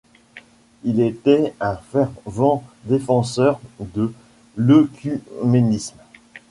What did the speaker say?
Il était un fervent défenseur de l'œcuménisme.